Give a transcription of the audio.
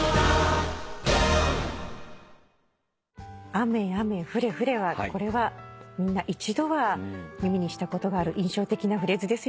「雨々ふれふれ」はこれはみんな一度は耳にしたことがある印象的なフレーズですよね。